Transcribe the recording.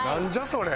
それ。